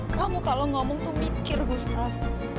kamu kalau ngomong tuh mikir gustaf